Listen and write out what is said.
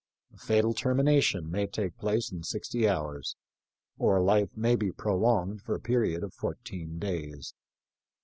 A fatal termination may take place in sixty hours, or life may be prolonged for a period of four teen days.